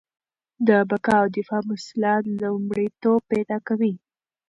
د بقا او دفاع مسله لومړیتوب پیدا کوي.